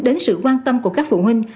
đến sự quan tâm của các phụ huynh